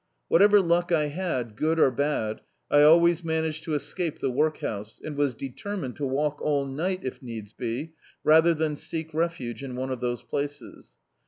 ^Vhatever luck I had good or bad, I always managed to escape the workhouse; and was determined to walk all night, if needs be, rather than seek refuge in one of those places.